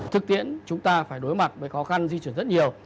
thực tiễn chúng ta phải đối mặt với khó khăn di chuyển rất nhiều